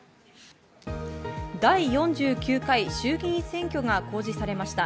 第４９回衆議院選挙が公示されました。